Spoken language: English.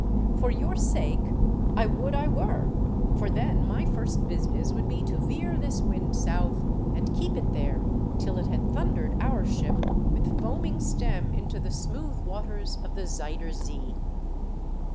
For your sake I would I were, for then my first business would be to veer this wind south, and keep it there till it had thundered our ship with foaming stem into the smooth waters of the Zuyder Zee."